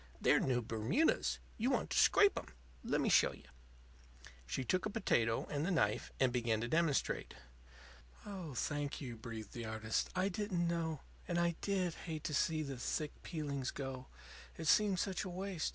They're new Bermudas. You want to scrape 'em. Lemme show you." She took a potato and the knife, and began to demonstrate. "Oh, thank you," breathed the artist. "I didn't know. And I did hate to see the thick peeling go; it seemed such a waste.